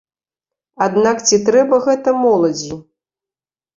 Аднак ці трэба гэта моладзі?